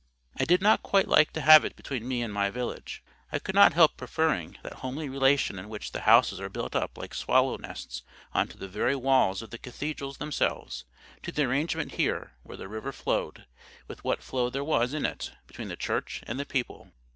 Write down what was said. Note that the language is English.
I did not quite like to have it between me and my village. I could not help preferring that homely relation in which the houses are built up like swallow nests on to the very walls of the cathedrals themselves, to the arrangement here, where the river flowed, with what flow there was in it, between the church and the people.